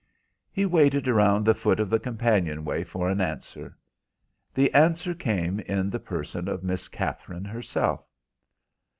He waited around the foot of the companion way for an answer. The answer came in the person of Miss Katherine herself.